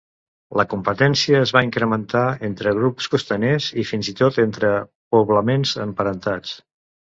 La competència es va incrementar entre grups costaners i fins i tot entre poblaments emparentats.